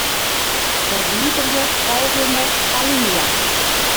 Ferwiderje folgjende alinea.